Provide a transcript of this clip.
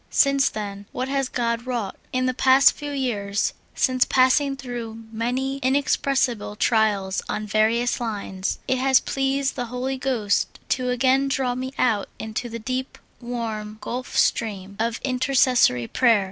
Since then, what has God wrought ! In the past few j^ears, since passing through many in expressible trials on various lines, it has pleased the Holy Ghost to again draw me out into the deep, warm gulf stream of intercessory prayer.